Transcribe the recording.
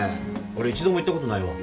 俺一度も行ったことないわ。